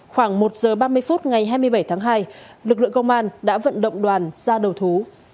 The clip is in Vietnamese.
khoảng một giờ ba mươi phút ngày hai mươi bảy tháng hai lực lượng công an đã vận động đoàn ra đầu thú